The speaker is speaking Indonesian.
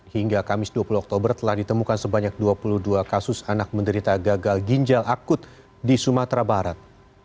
hingga kamis dua puluh oktober telah ditemukan sebanyak dua puluh dua kasus anak menderita gagal ginjal akut di sumatera barat